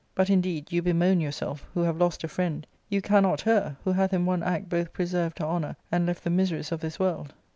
But, indeed, you bemoan yourself, who have lost a friend ; you cannot her, who hath in one act both preserved her honour and left the miseries of this world."